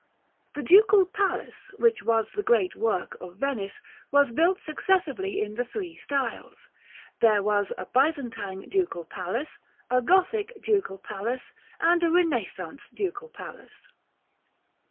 The Ducal Palace, which was the great work of Venice, was built successively in the three styles. There was a Byzantine Ducal Palace, a Gothic Ducal Palace, and a Renaissance Ducal Palace.